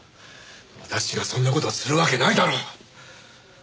私がそんな事をするわけないだろ！